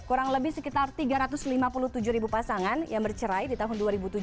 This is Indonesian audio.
kurang lebih sekitar tiga ratus lima puluh tujuh ribu pasangan yang bercerai di tahun dua ribu tujuh belas